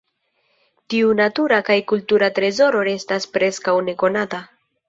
Tiu natura kaj kultura trezoro restas preskaŭ nekonata.